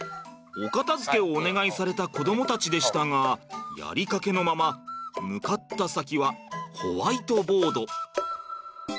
お片づけをお願いされた子どもたちでしたがやりかけのまま向かった先はホワイトボード。